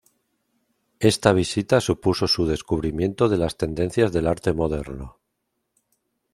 Esta visita supuso su descubrimiento de las tendencias del arte moderno.